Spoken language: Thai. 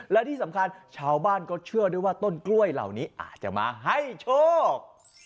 และที่สำคัญชาวบ้านก็เชื่อด้วยว่าต้นกล้วยเหล่านี้อาจจะมาให้โชค